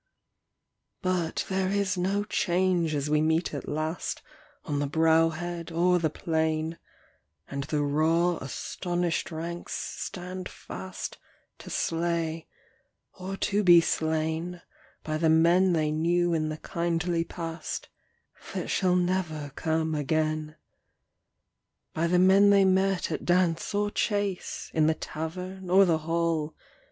But there is no change as we meet at last On the brow head or the plain, And the raw astonished ranks stand fast To slay or to be slain By the men they knew in the kindly past That shall never come again — By the men they met at dance or chase, In the tavern or the hall.